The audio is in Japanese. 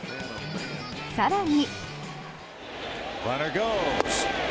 更に。